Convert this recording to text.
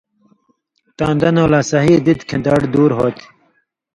تاں دنؤں لا صحیح دِتیۡ کھیں دڑ دُور ہوتھی۔